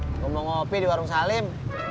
gue mau ngopi di warung salim